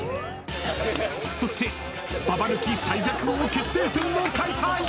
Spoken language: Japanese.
そしてババ抜き最弱王決定戦を開催。